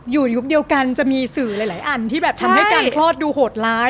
อยู่อยู่เดียวกันจะมีสื่อหลายอันคือจะทำให้คลอดดูโหดล้าย